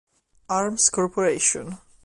Arms Corporation